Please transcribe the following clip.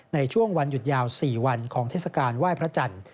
ในช่วงวันหยุดยาว๔วันของเทศกาลไหว้พระจันทร์